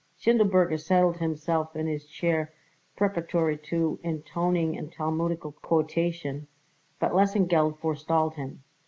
Schindelberger settled himself in his chair preparatory to intoning a Talmudical quotation, but Lesengeld forestalled him.